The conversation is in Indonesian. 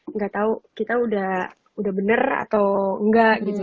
nggak tahu kita udah bener atau enggak gitu